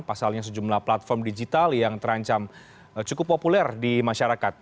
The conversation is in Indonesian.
pasalnya sejumlah platform digital yang terancam cukup populer di masyarakat